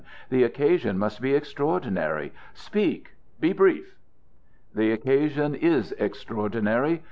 The occasion must be extraordinary. Speak! Be brief!" "The occasion is extraordinary.